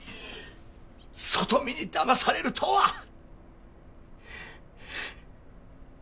外見にだまされるとは。